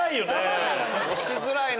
押しづらいな。